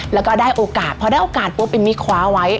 แล้วก็ได้โอกาสเพราะได้โอกาสพวกเอมิคว้าไว้